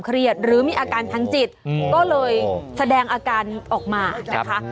เครียดหรือมีอาการทันจิตอืมก็เลยอาการออกมานะคะ